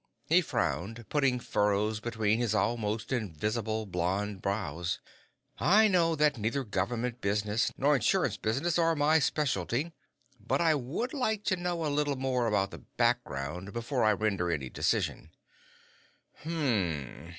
He frowned, putting furrows between his almost invisible blond brows. "I know that neither government business nor insurance business are my specialty, but I would like to know a little more about the background before I render any decision."